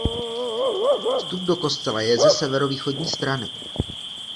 Vstup do kostela je ze severovýchodní strany.